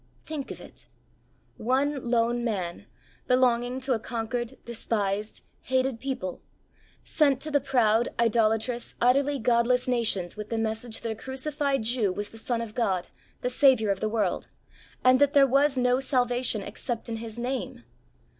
Think of it 1 One lone man belonging to a conquered, Il8 HEART TALKS ON HOLINESS. despised, hated people, sent to the proud, idolatrous, utterly godless nations with the message that a crucified Jew was the Son of God, the Saviour of the world, and that there was no salvation except in His name.